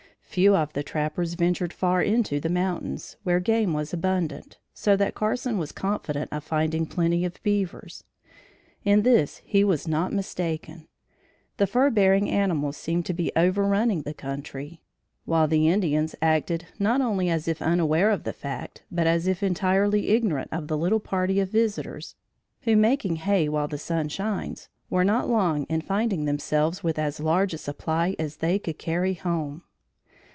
Few of the trappers ventured far into the mountains, where game was abundant, so that Carson was confident of finding plenty of beavers. In this he was not mistaken. The fur bearing animals seemed to be overrunning the country, while the Indians acted not only as if unaware of the fact but as if entirely ignorant of the little party of visitors, who, making hay while the sun shines, were not long in finding themselves with as large a supply as they could carry home.